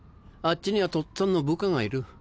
あっちにはとっつぁんの部下がいる。